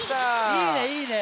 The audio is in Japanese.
いいねいいね。